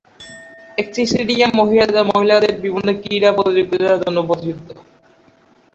এই স্টেডিয়ামটি মহিলাদের বিভিন্ন ক্রীড়া প্রতিযোগিতার জন্য প্রসিদ্ধ।